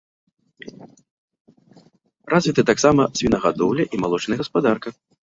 Развіты таксама свінагадоўля і малочная гаспадарка.